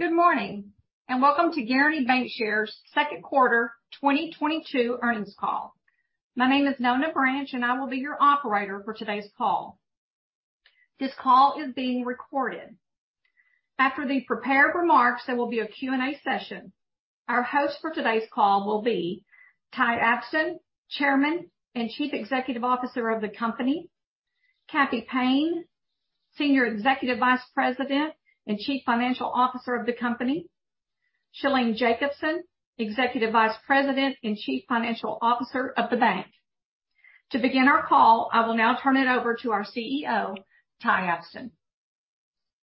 Good morning, and welcome to Guaranty Bancshares' second quarter 2022 earnings call. My name is Nona Branch, and I will be your operator for today's call. This call is being recorded. After the prepared remarks, there will be a Q&A session. Our host for today's call will be Ty Abston, Chairman and Chief Executive Officer of the company, Cappy Payne, Senior Executive Vice President and Chief Financial Officer of the company, Shalene Jacobson, Executive Vice President and Chief Financial Officer of the bank. To begin our call, I will now turn it over to our CEO, Ty Abston.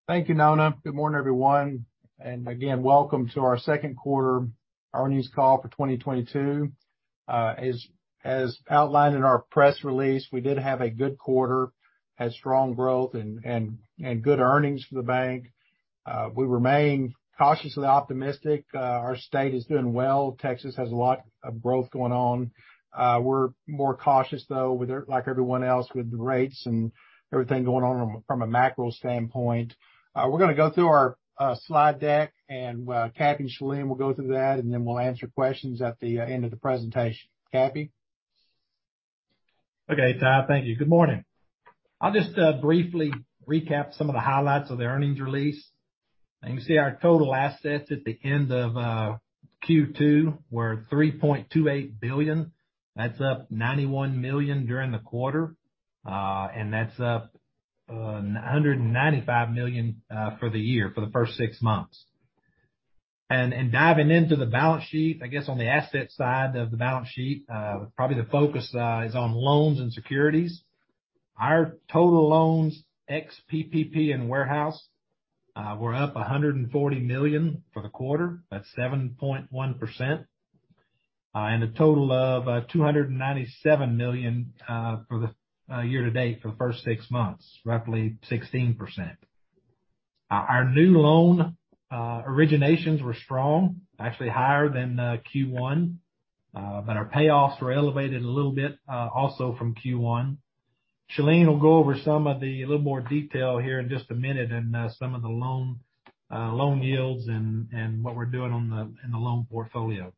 Thank you, Nona. Good morning, everyone, and again, welcome to our second quarter earnings call for 2022. As outlined in our press release, we did have a good quarter, had strong growth and good earnings for the bank. We remain cautiously optimistic. Our state is doing well. Texas has a lot of growth going on. We're more cautious though with like everyone else, with the rates and everything going on from a macro standpoint. We're gonna go through our slide deck, and Cappy and Shalene will go through that, and then we'll answer questions at the end of the presentation. Cappy? Okay, Ty. Thank you. Good morning. I'll just briefly recap some of the highlights of the earnings release. You can see our total assets at the end of Q2 were $3.28 billion. That's up $91 million during the quarter, and that's up $195 million for the year, for the first six months. Diving into the balance sheet, I guess on the asset side of the balance sheet, probably the focus is on loans and securities. Our total loans, ex PPP and warehouse, were up $140 million for the quarter. That's 7.1%, and a total of $297 million for the year to date for the first six months, roughly 16%. Our new loan originations were strong, actually higher than Q1, but our payoffs were elevated a little bit, also from Q1. Shalene will go over a little more detail here in just a minute on some of the loan yields and what we're doing in the loan portfolio.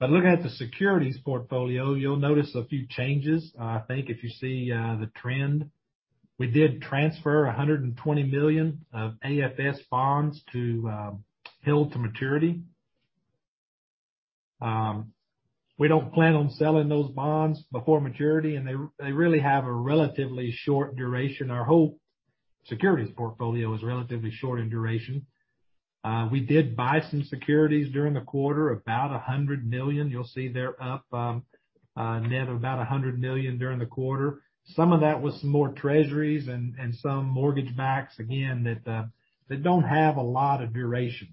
Looking at the securities portfolio, you'll notice a few changes, I think if you see the trend. We did transfer $120 million of AFS bonds to held to maturity. We don't plan on selling those bonds before maturity, and they really have a relatively short duration. Our whole securities portfolio is relatively short in duration. We did buy some securities during the quarter, about $100 million. You'll see they're up, net of about $100 million during the quarter. Some of that was some more treasuries and some mortgage backs, again, that don't have a lot of duration.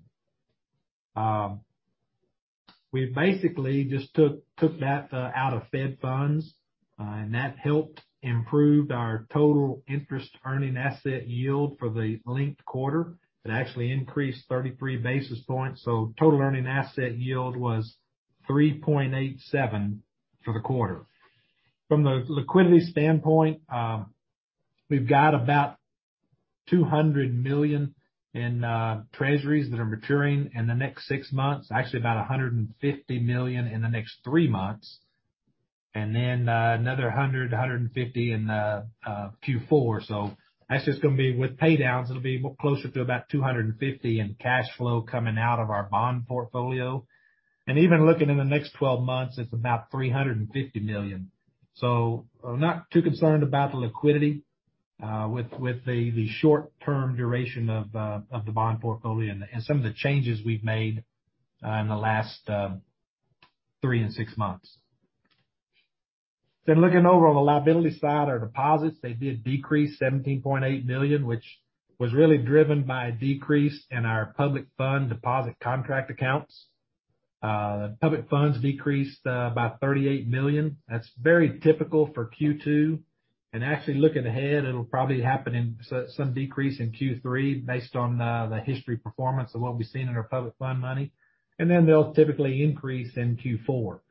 We basically just took that out of Fed funds, and that helped improve our total interest earning asset yield for the linked quarter. It actually increased 33 basis points, so total earning asset yield was 3.87% for the quarter. From the liquidity standpoint, we've got about $200 million in treasuries that are maturing in the next six months. Actually, about $150 million in the next three months, and then another $150 million in Q4. That's just gonna be with pay downs. It'll be closer to about $250 million in cash flow coming out of our bond portfolio. Even looking in the next 12 months, it's about $350 million. I'm not too concerned about the liquidity with the short-term duration of the bond portfolio and some of the changes we've made in the last three and six months. Looking over on the liability side, our deposits, they did decrease $17.8 billion, which was really driven by a decrease in our public fund deposit contract accounts. Public funds decreased about $38 million. That's very typical for Q2. Actually looking ahead, it'll probably happen in some decrease in Q3 based on the historical performance of what we've seen in our public fund money. They'll typically increase in Q4.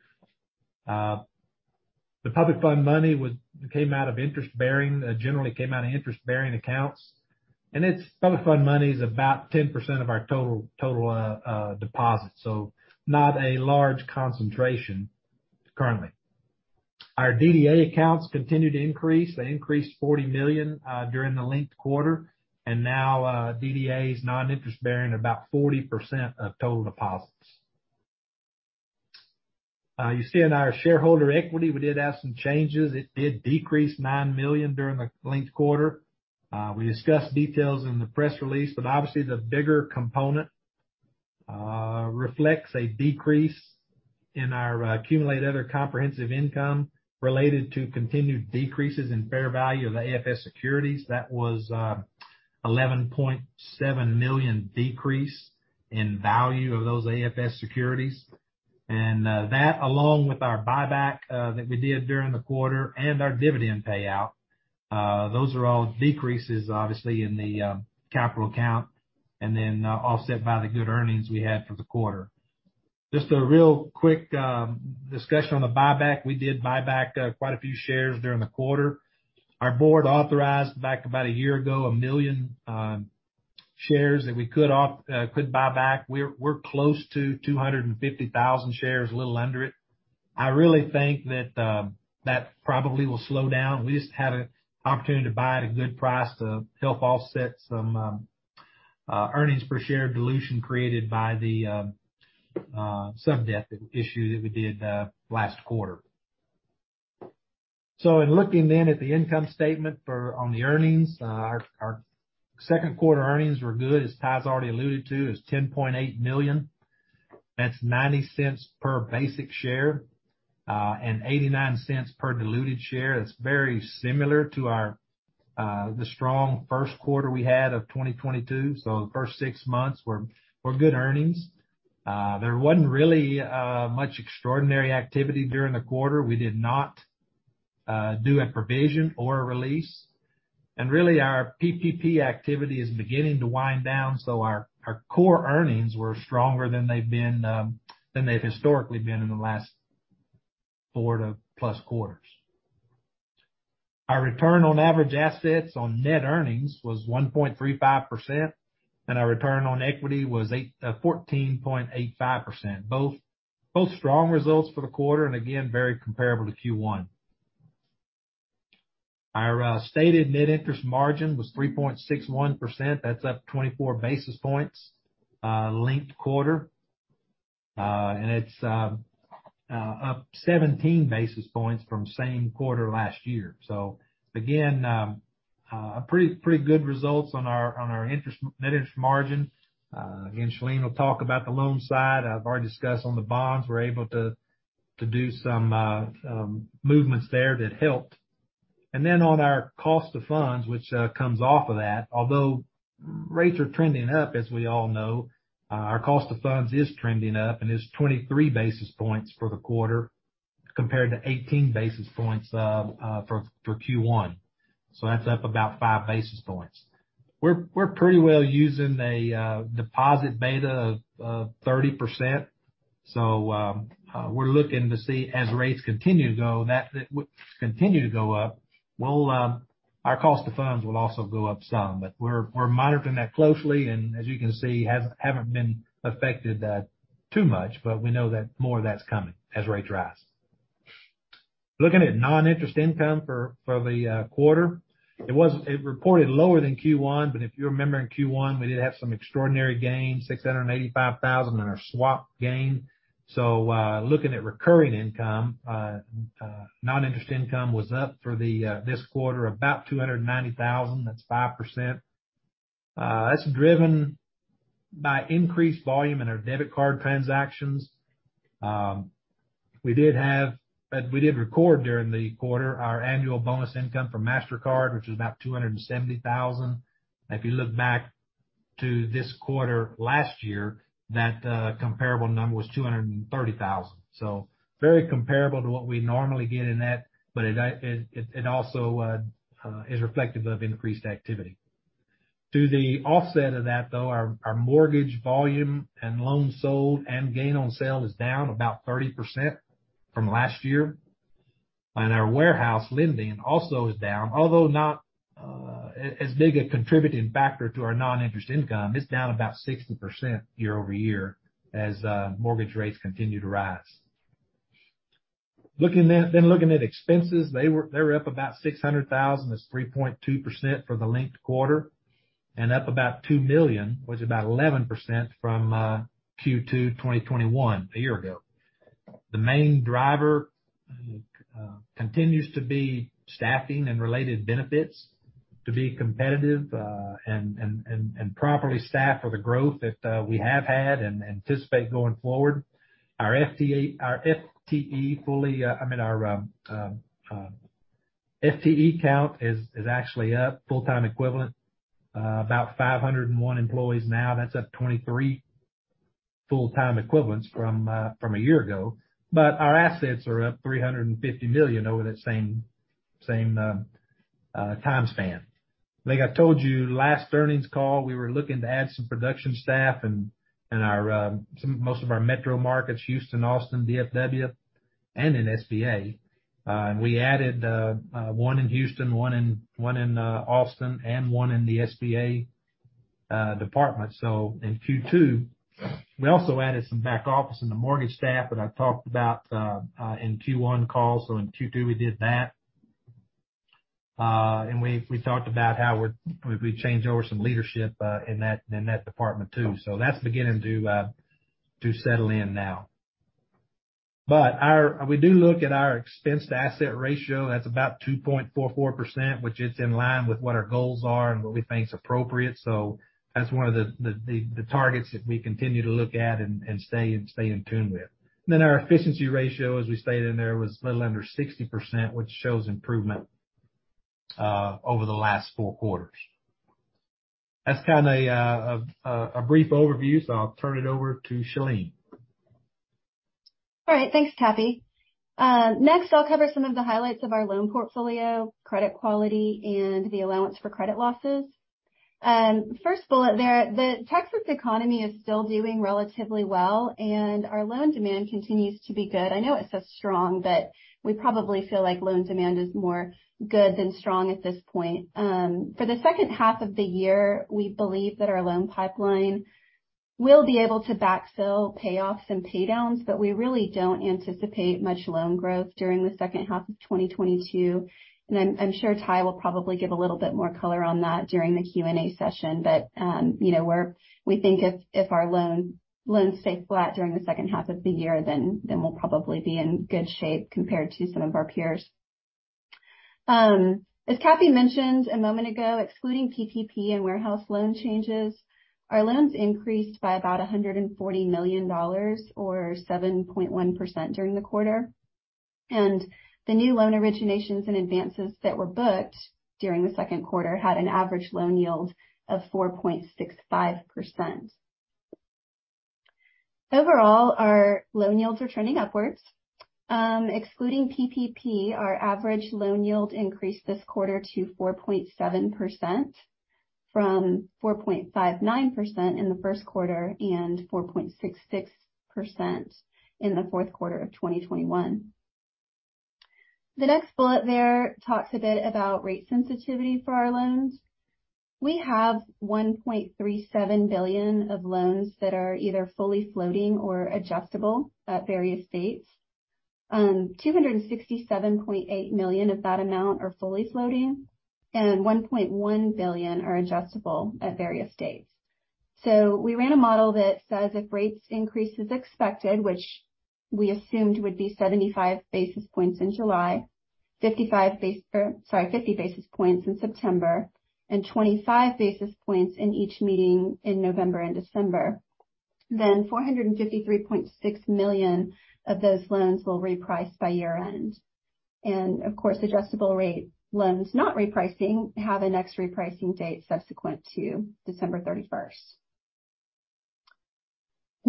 The public fund money generally came out of interest-bearing accounts. It's public fund money is about 10% of our total deposits. Not a large concentration currently. Our DDA accounts continued to increase. They increased $40 million during the linked quarter. Now, DDA's non-interest bearing about 40% of total deposits. You see in our shareholder equity, we did have some changes. It did decrease $9 million during the linked quarter. We discussed details in the press release, but obviously the bigger component reflects a decrease in our accumulated other comprehensive income related to continued decreases in fair value of AFS securities. That was $11.7 million decrease in value of those AFS securities. That along with our buyback that we did during the quarter and our dividend payout, those are all decreases obviously in the capital count and then offset by the good earnings we had for the quarter. Just a real quick discussion on the buyback. We did buy back quite a few shares during the quarter. Our board authorized back about a year ago, 1 million shares that we could buy back. We're close to 250,000 shares, a little under it. I really think that probably will slow down. We just had an opportunity to buy at a good price to help offset some earnings per share dilution created by the sub debt issue that we did last quarter. In looking at the income statement on the earnings, our second quarter earnings were good, as Ty already alluded to, $10.8 million. That's $0.90 per basic share and $0.89 per diluted share. That's very similar to the strong first quarter we had of 2022. The first six months were good earnings. There wasn't really much extraordinary activity during the quarter. We did not do a provision or a release. Really, our PPP activity is beginning to wind down, so our core earnings were stronger than they've been than they've historically been in the last four plus quarters. Our return on average assets on net earnings was 1.35%, and our return on equity was 14.85%, both strong results for the quarter and again, very comparable to Q1. Our stated net interest margin was 3.61%. That's up 24 basis points linked quarter. It's up 17 basis points from same quarter last year. Again, a pretty good results on our net interest margin. Again, Shalene will talk about the loan side. I've already discussed on the bonds, we're able to do some movements there that helped. On our cost of funds, which comes off of that, although rates are trending up, as we all know, our cost of funds is trending up and is 23 basis points for the quarter, compared to 18 basis points for Q1. That's up about 5 basis points. We're pretty well using a deposit beta of 30%. We're looking to see as rates continue to go up, our cost of funds will also go up some, but we're monitoring that closely, and as you can see, haven't been affected too much, but we know that more of that's coming as rates rise. Looking at non-interest income for the quarter, it reported lower than Q1, but if you remember in Q1, we did have some extraordinary gains, $685,000 in our swap gain. Looking at recurring income, non-interest income was up for this quarter, about $290,000. That's 5%. That's driven by increased volume in our debit card transactions. But we did record during the quarter our annual bonus income from Mastercard, which is about $270,000. If you look back to this quarter last year, that comparable number was $230,000. Very comparable to what we normally get in that, but it also is reflective of increased activity. Through the offset of that, though, our mortgage volume and loans sold and gain on sale is down about 30% from last year. Our warehouse lending also is down, although not as big a contributing factor to our non-interest income. It's down about 60% year-over-year as mortgage rates continue to rise. Looking at expenses, they were up about $600,000. That's 3.2% for the linked quarter, and up about $2 million, which is about 11% from Q2 2021, a year ago. The main driver continues to be staffing and related benefits to be competitive and properly staffed for the growth that we have had and anticipate going forward. Our FTE fully... I mean our FTE count is actually up full-time equivalent about 501 employees now. That's up 23 full-time equivalents from a year ago. Our assets are up $350 million over that same time span. Like I told you last earnings call, we were looking to add some production staff in most of our metro markets, Houston, Austin, DFW, and in SBA. We added one in Houston, one in Austin, and one in the SBA department. In Q2, we also added some back office and the mortgage staff that I've talked about in Q1 calls. In Q2, we did that. We talked about how we've changed over some leadership in that department too. That's beginning to settle in now. We do look at our expense-to-asset ratio. That's about 2.44%, which is in line with what our goals are and what we think is appropriate. That's one of the targets that we continue to look at and stay in tune with. Our efficiency ratio, as we stated in there, was a little under 60%, which shows improvement over the last four quarters. That's kind of a brief overview, so I'll turn it over to Shalene. All right. Thanks, Cappy. Next I'll cover some of the highlights of our loan portfolio, credit quality, and the allowance for credit losses. First bullet there. The Texas economy is still doing relatively well and our loan demand continues to be good. I know it says strong, but we probably feel like loan demand is more good than strong at this point. For the second half of the year, we believe that our loan pipeline will be able to backfill payoffs and pay downs, but we really don't anticipate much loan growth during the second half of 2022. I'm sure Ty will probably give a little bit more color on that during the Q&A session. You know, we think if our loans stay flat during the second half of the year, then we'll probably be in good shape compared to some of our peers. As Cappy mentioned a moment ago, excluding PPP and warehouse loan changes, our loans increased by about $140 million or 7.1% during the quarter. The new loan originations and advances that were booked during the second quarter had an average loan yield of 4.65%. Overall, our loan yields are trending upwards. Excluding PPP, our average loan yield increased this quarter to 4.7% from 4.59% in the first quarter and 4.66% in the fourth quarter of 2021. The next bullet there talks a bit about rate sensitivity for our loans. We have $1.37 billion of loans that are either fully floating or adjustable at various dates. $267.8 million of that amount are fully floating and $1.1 billion are adjustable at various dates. We ran a model that says if rates increase as expected, which we assumed would be 75 basis points in July, 50 basis points in September and 25 basis points in each meeting in November and December, then $453.6 million of those loans will reprice by year-end. Of course, adjustable rate loans not repricing have a next repricing date subsequent to December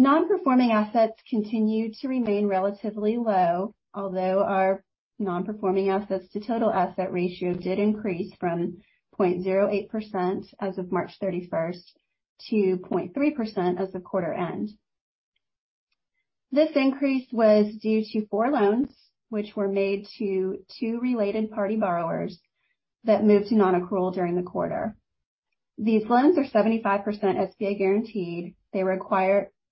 thirty-first. Non-performing assets continue to remain relatively low, although our non-performing assets to total asset ratio did increase from 0.08% as of March 31st to 0.3% as of quarter end. This increase was due to four loans which were made to two related party borrowers that moved to non-accrual during the quarter. These loans are 75% SBA guaranteed. They were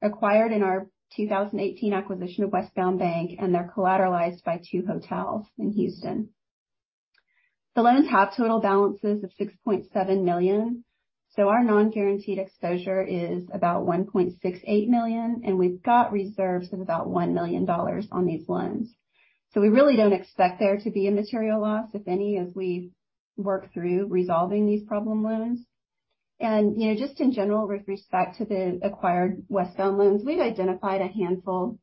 acquired in our 2018 acquisition of Westbound Bank, and they're collateralized by two hotels in Houston. The loans have total balances of $6.7 million. Our non-guaranteed exposure is about $1.68 million, and we've got reserves of about $1 million on these loans. We really don't expect there to be a material loss, if any, as we work through resolving these problem loans. You know, just in general, with respect to the acquired Westbound loans, we'd identified a handful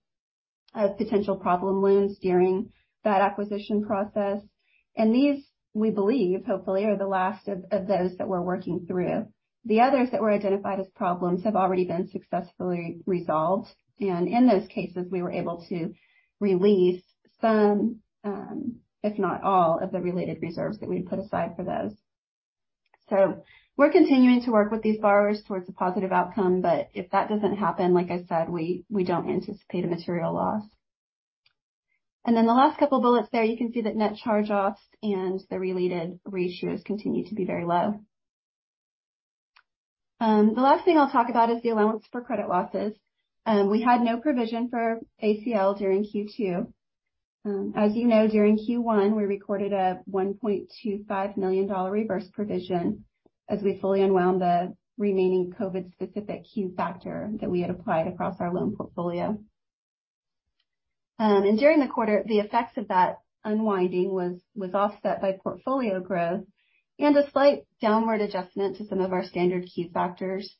of potential problem loans during that acquisition process, and these, we believe, hopefully, are the last of those that we're working through. The others that were identified as problems have already been successfully resolved, and in those cases, we were able to release some, if not all, of the related reserves that we'd put aside for those. We're continuing to work with these borrowers towards a positive outcome, but if that doesn't happen, like I said, we don't anticipate a material loss. Then the last couple bullets there, you can see that net charge-offs and the related ratios continue to be very low. The last thing I'll talk about is the allowance for credit losses. We had no provision for ACL during Q2. As you know, during Q1, we recorded a $1.25 million reverse provision as we fully unwound the remaining COVID-specific key factor that we had applied across our loan portfolio. During the quarter, the effects of that unwinding was offset by portfolio growth and a slight downward adjustment to some of our standard key factors.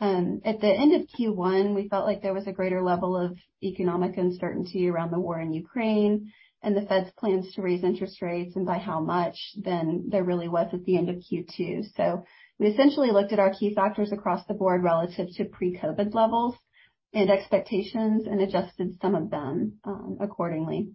At the end of Q1, we felt like there was a greater level of economic uncertainty around the war in Ukraine and the Fed's plans to raise interest rates and by how much than there really was at the end of Q2. We essentially looked at our key factors across the board relative to pre-COVID levels and expectations and adjusted some of them, accordingly.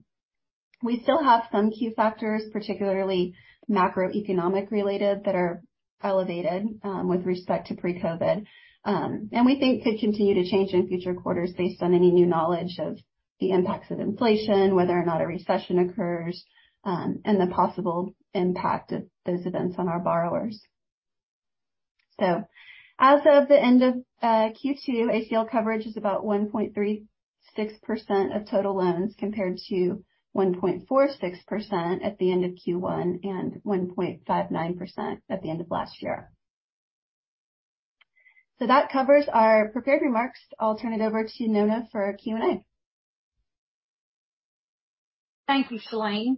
We still have some key factors, particularly macroeconomic related, that are elevated, with respect to pre-COVID. We think could continue to change in future quarters based on any new knowledge of the impacts of inflation, whether or not a recession occurs, and the possible impact of those events on our borrowers. As of the end of Q2, ACL coverage is about 1.36% of total loans, compared to 1.46% at the end of Q1 and 1.59% at the end of last year. That covers our prepared remarks. I'll turn it over to Nona for our Q&A. Thank you, Shalene.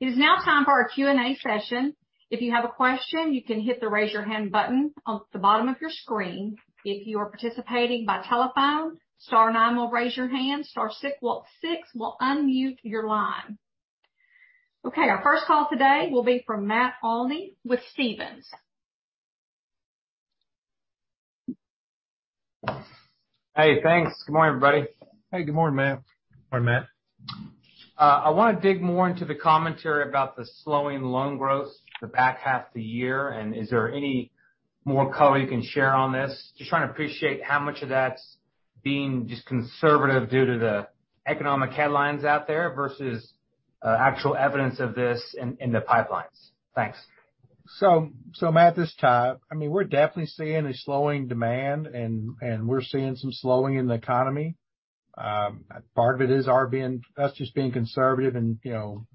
It is now time for our Q&A session. If you have a question, you can hit the raise your hand button on the bottom of your screen. If you are participating by telephone, star nine will raise your hand, star six will unmute your line. Okay, our first call today will be from Matt Olney with Stephens. Hey, thanks. Good morning, everybody. Hey, good morning, Matt. Good morning, Matt. I want to dig more into the commentary about the slowing loan growth the back half of the year. Is there any more color you can share on this? Just trying to appreciate how much of that's being just conservative due to the economic headlines out there versus actual evidence of this in the pipelines. Thanks. Matt, this time, I mean, we're definitely seeing a slowing demand and we're seeing some slowing in the economy. Part of it is us just being conservative and, you know,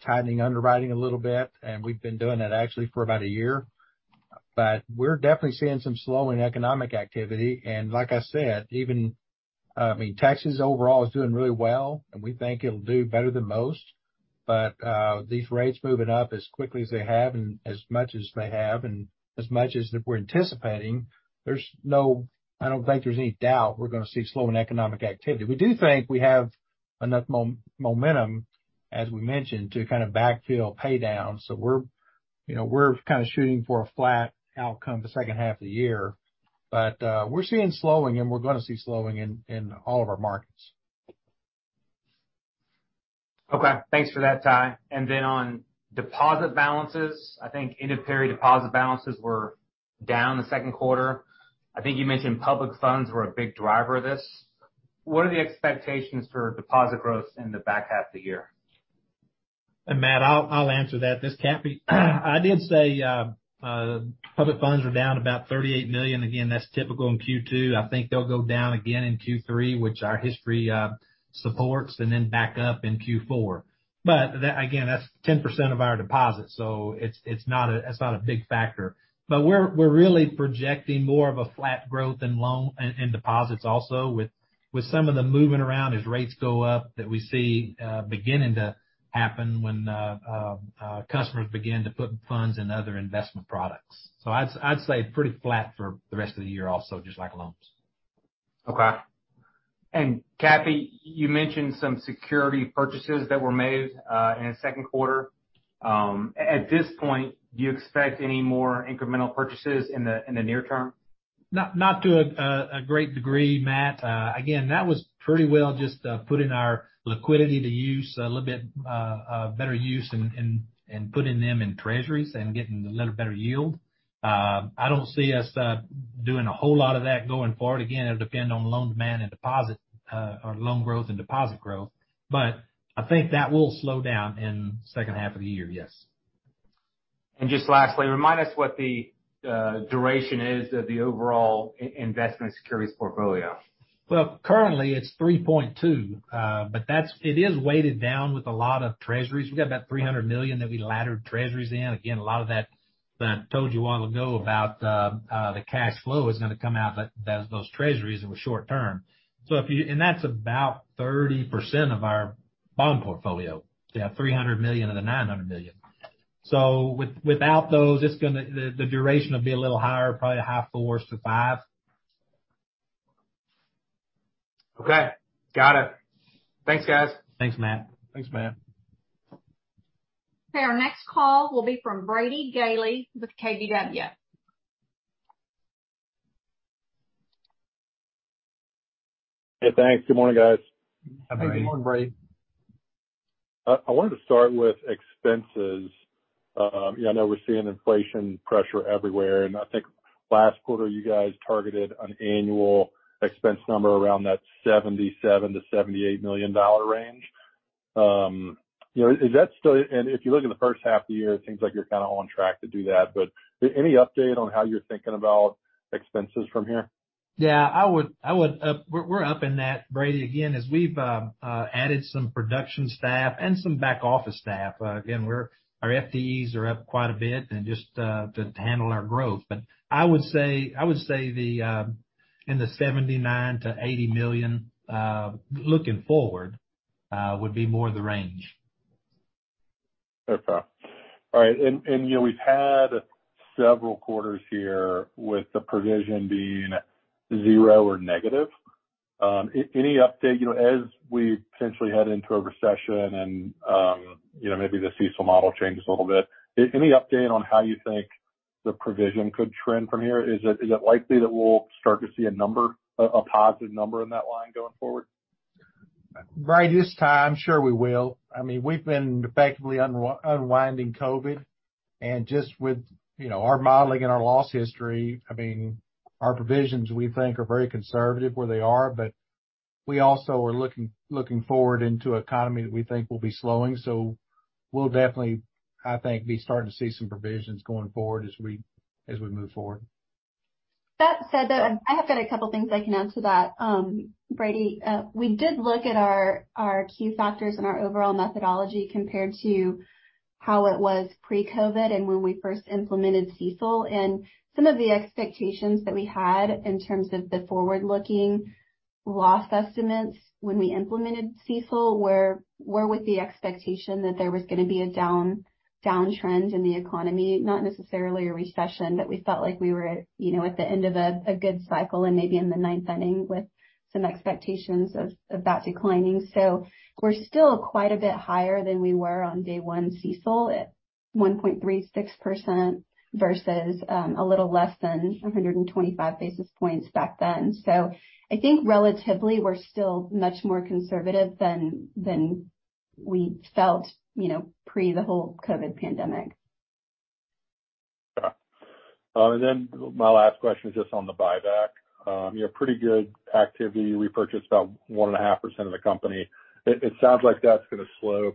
tightening underwriting a little bit, and we've been doing that actually for about a year. We're definitely seeing some slowing economic activity. Like I said, even, I mean, Texas overall is doing really well, and we think it'll do better than most. These rates moving up as quickly as they have and as much as they have and as much as that we're anticipating, I don't think there's any doubt we're gonna see slowing economic activity. We do think we have enough momentum, as we mentioned, to kind of backfill pay down. We're, you know, we're kind of shooting for a flat outcome the second half of the year. We're seeing slowing, and we're gonna see slowing in all of our markets. Okay. Thanks for that, Ty. On deposit balances. I think end of day deposit balances were down in the second quarter. I think you mentioned public funds were a big driver of this. What are the expectations for deposit growth in the back half of the year? Matt, I'll answer that. This is Cappy. I did say public funds were down about $38 million. Again, that's typical in Q2. I think they'll go down again in Q3, which our history supports, and then back up in Q4. But again, that's 10% of our deposits, so it's not a big factor. But we're really projecting more of a flat growth in loan and deposits also with some of the moving around as rates go up that we see beginning to happen when customers begin to put funds in other investment products. So I'd say pretty flat for the rest of the year also, just like loans. Okay. Cappy, you mentioned some securities purchases that were made in the second quarter. At this point, do you expect any more incremental purchases in the near term? Not to a great degree, Matt. Again, that was pretty well just putting our liquidity to a little bit better use and putting them in treasuries and getting a little better yield. I don't see us doing a whole lot of that going forward. Again, it'll depend on loan demand and deposit or loan growth and deposit growth. I think that will slow down in second half of the year. Yes. Just lastly, remind us what the duration is of the overall investment securities portfolio? Currently it's 3.2, but that's it is weighted down with a lot of treasuries. We got about $300 million that we laddered treasuries in. Again, a lot of that I told you a while ago about, the cash flow is gonna come out of those treasuries, it was short term. That's about 30% of our bond portfolio. They have $300 million of the $900 million. Without those, it's gonna the duration will be a little higher, probably a high 4s-5. Okay. Got it. Thanks, guys. Thanks, Matt. Thanks, Matt. Okay, our next call will be from Brady Gailey with KBW. Hey, thanks. Good morning, guys. Hey. Good morning, Brady. I wanted to start with expenses. Yeah, I know we're seeing inflation pressure everywhere, and I think last quarter, you guys targeted an annual expense number around that $77 million-$78 million range. You know, is that still? If you look at the first half of the year, it seems like you're kind of on track to do that. Any update on how you're thinking about expenses from here? Yeah, I would, we're up in that, Brady, again, as we've added some production staff and some back office staff. Our FTEs are up quite a bit and just to handle our growth. I would say in the $79 million-$80 million looking forward would be more the range. Okay. All right. You know, we've had several quarters here with the provision being zero or negative. Any update, you know, as we potentially head into a recession and, you know, maybe the CECL model changes a little bit. Any update on how you think the provision could trend from here? Is it likely that we'll start to see a number, a positive number in that line going forward? Brady, this time, sure we will. I mean, we've been effectively unwinding COVID. Just with, you know, our modeling and our loss history, I mean, our provisions, we think, are very conservative where they are, but we also are looking forward into economy that we think will be slowing. We'll definitely, I think, be starting to see some provisions going forward as we move forward. That said, though, I have got a couple of things I can add to that. Brady, we did look at our key factors and our overall methodology compared to how it was pre-COVID and when we first implemented CECL. Some of the expectations that we had in terms of the forward-looking loss estimates when we implemented CECL were with the expectation that there was gonna be a down trend in the economy, not necessarily a recession, but we felt like we were, you know, at the end of a good cycle and maybe in the ninth inning with some expectations of that declining. We're still quite a bit higher than we were on day one CECL at- 1.36% versus a little less than 125 basis points back then. I think relatively we're still much more conservative than we felt, you know, pre the whole COVID pandemic. Yeah. My last question is just on the buyback. You know, pretty good activity. We purchased about 1.5% of the company. It sounds like that's gonna slow.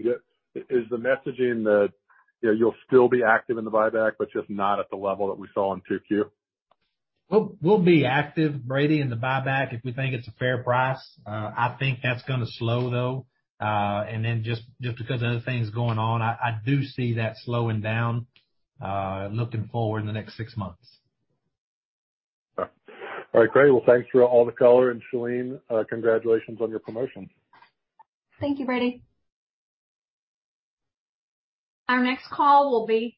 Is the messaging that, you know, you'll still be active in the buyback, but just not at the level that we saw in 2Q? We'll be active, Brady, in the buyback if we think it's a fair price. I think that's gonna slow, though, and then just because of other things going on, I do see that slowing down looking forward in the next six months. All right. Great. Well, thanks for all the color, and Shalene, congratulations on your promotion. Thank you, Brady. Our next call will be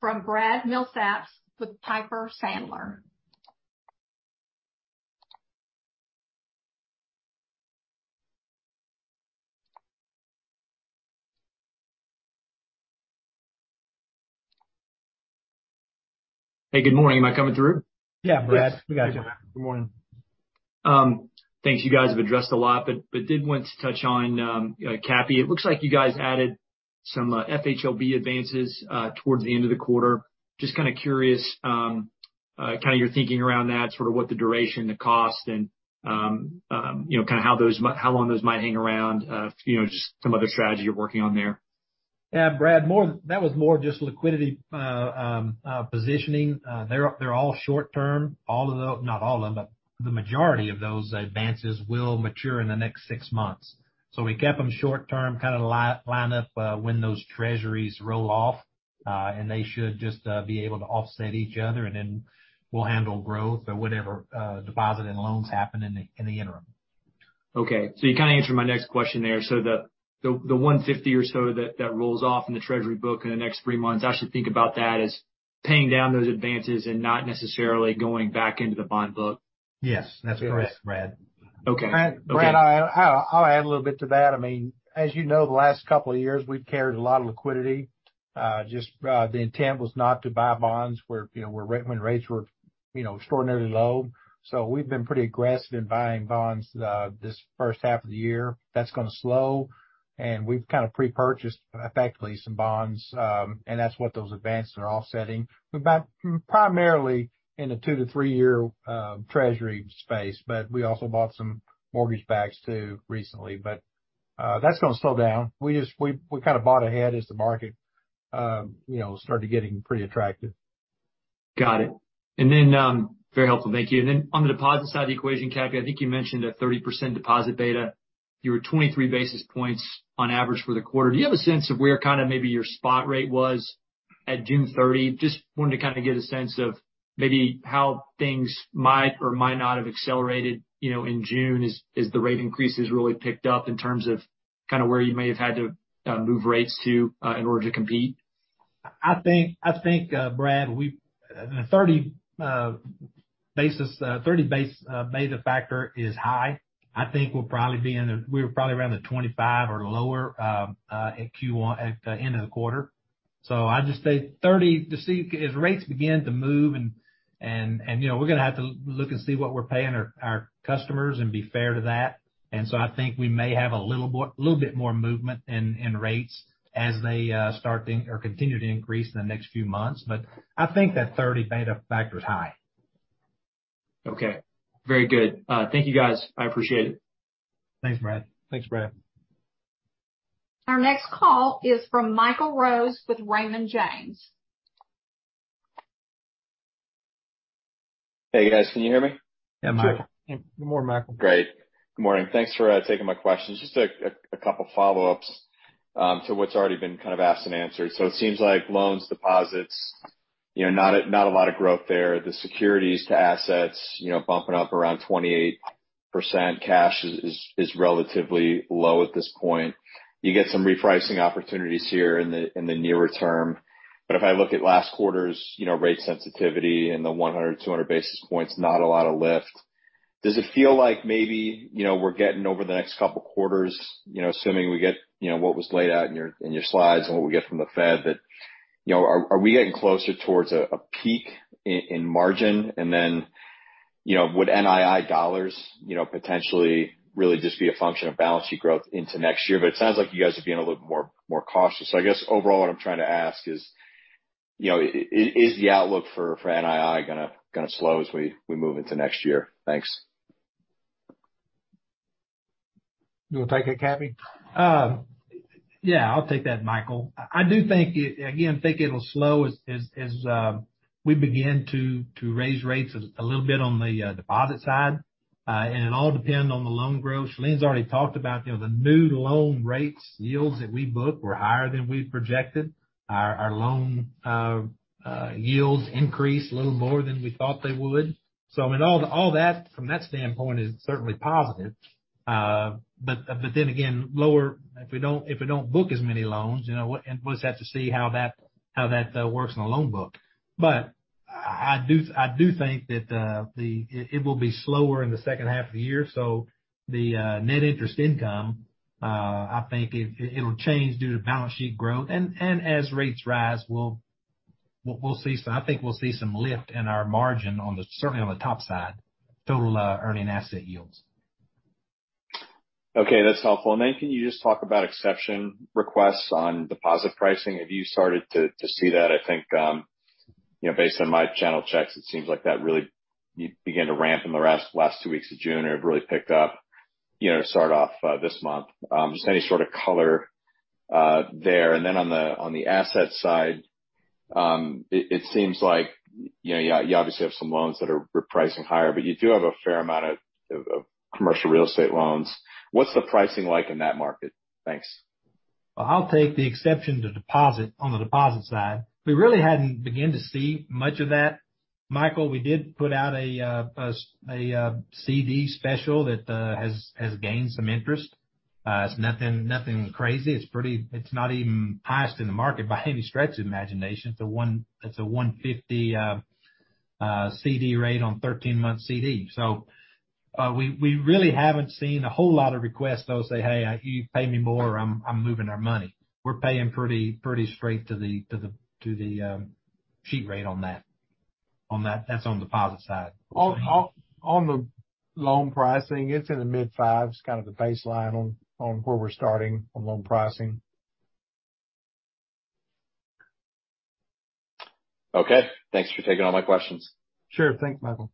from Brad Milsaps with Piper Sandler. Hey, good morning. Am I coming through? Yeah, Brad. We got you. Good morning. Thanks. You guys have addressed a lot, but did want to touch on Cappy. It looks like you guys added some FHLB advances towards the end of the quarter. Just kind of curious, kind of your thinking around that, sort of what the duration, the cost and, you know, kind of how those how long those might hang around, you know, just some other strategy you're working on there. Yeah, Brad, that was more just liquidity positioning. They're all short term. Not all of them, but the majority of those advances will mature in the next six months. We kept them short term, kind of line up when those treasuries roll off, and they should just be able to offset each other, and then we'll handle growth or whatever deposits and loans happen in the interim. Okay. You kind of answered my next question there. The $150 or so that rolls off in the treasury book in the next three months, I should think about that as paying down those advances and not necessarily going back into the bond book. Yes, that's correct, Brad. Okay. Brad, I'll add a little bit to that. I mean, as you know, the last couple of years, we've carried a lot of liquidity. Just, the intent was not to buy bonds where, you know, when rates were, you know, extraordinarily low. We've been pretty aggressive in buying bonds, this first half of the year. That's gonna slow, and we've kind of pre-purchased effectively some bonds, and that's what those advances are offsetting. We bought primarily in the 2-3-year Treasury space, but we also bought some mortgage backs too recently. That's gonna slow down. We just kind of bought ahead as the market, you know, started getting pretty attractive. Got it. Very helpful. Thank you. On the deposit side of the equation, Cappy, I think you mentioned a 30% deposit beta. You were 23 basis points on average for the quarter. Do you have a sense of where kind of maybe your spot rate was at June 30? Just wanted to kind of get a sense of maybe how things might or might not have accelerated, you know, in June as the rate increases really picked up in terms of kind of where you may have had to move rates to in order to compete. I think Brad, the 30 basis beta factor is high. I think we were probably around the 25 or lower at Q1 at the end of the quarter. I'd just say 30, you see, as rates begin to move and, you know, we're gonna have to look and see what we're paying our customers and be fair to that. I think we may have a little bit more movement in rates as they start to or continue to increase in the next few months. I think that 30 beta factor is high. Okay. Very good. Thank you, guys. I appreciate it. Thanks, Brad. Our next call is from Michael Rose with Raymond James. Hey, guys. Can you hear me? Yeah. Good morning, Michael. Great. Good morning. Thanks for taking my questions. Just a couple follow-ups to what's already been kind of asked and answered. It seems like loans, deposits, you know, not a lot of growth there. The securities to assets, you know, bumping up around 28%. Cash is relatively low at this point. You get some repricing opportunities here in the nearer term. If I look at last quarter's, you know, rate sensitivity and the 100, 200 basis points, not a lot of lift. Does it feel like maybe, you know, we're getting over the next couple quarters, you know, assuming we get, you know, what was laid out in your slides and what we get from the Fed, that, you know, are we getting closer towards a peak in margin? Then, you know, would NII dollars, you know, potentially really just be a function of balance sheet growth into next year? It sounds like you guys are being a little more cautious. I guess overall what I'm trying to ask is, you know, is the outlook for NII gonna slow as we move into next year? Thanks. You wanna take it, Cappy? Yeah, I'll take that, Michael. I do think again think it'll slow as we begin to raise rates a little bit on the deposit side. It all depend on the loan growth. Shalene's already talked about, you know, the new loan rates, yields that we book were higher than we projected. Our loan yields increased a little more than we thought they would. I mean, all that from that standpoint is certainly positive. But then again, if we don't book as many loans, you know, we'll just have to see how that works in the loan book. I do think that it will be slower in the second half of the year, so the net interest income, I think, it'll change due to balance sheet growth. As rates rise, I think we'll see some lift in our margin, certainly on the top side, total earning asset yields. Okay. That's helpful. Can you just talk about exception requests on deposit pricing? Have you started to see that? I think, you know, based on my channel checks, it seems like that really began to ramp in the last two weeks of June, it really picked up, you know, to start off this month. Just any sort of color there. On the asset side, it seems like, you know, you obviously have some loans that are repricing higher, but you do have a fair amount of commercial real estate loans. What's the pricing like in that market? Thanks. Well, I'll take exception to that on the deposit side. We really hadn't began to see much of that. Michael, we did put out a CD special that has gained some interest. It's nothing crazy. It's not even highest in the market by any stretch of the imagination. It's a 1.50 CD rate on 13-month CD. So, we really haven't seen a whole lot of requests, though, say, "Hey, you pay me more or I'm moving our money." We're paying pretty straight to the street rate on that. That's on deposit side. On the loan pricing, it's in the mid fives, kind of the baseline on where we're starting on loan pricing. Okay. Thanks for taking all my questions. Sure. Thanks, Michael.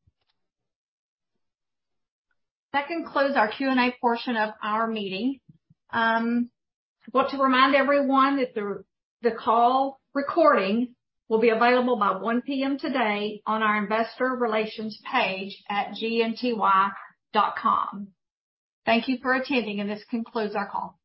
That concludes our Q&A portion of our meeting. Want to remind everyone that the call recording will be available by 1 P.M. today on our investor relations page at gnty.com. Thank you for attending, and this concludes our call.